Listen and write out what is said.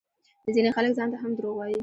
ځينې خلک ځانته هم دروغ وايي